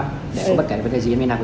như là bọn em làm hồ sơ